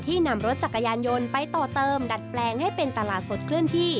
นำรถจักรยานยนต์ไปต่อเติมดัดแปลงให้เป็นตลาดสดเคลื่อนที่